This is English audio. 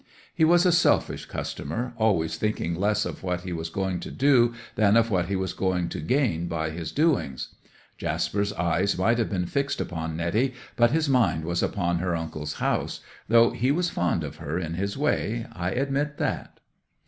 He was a selfish customer, always thinking less of what he was going to do than of what he was going to gain by his doings. Jasper's eyes might have been fixed upon Netty, but his mind was upon her uncle's house; though he was fond of her in his way—I admit that.